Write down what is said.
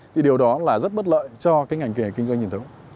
thì điều đó là rất bất lợi cho cái ngành nghề kinh doanh truyền thống